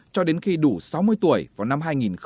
cho đến khi đủ sáu mươi tuổi vào năm hai nghìn ba mươi năm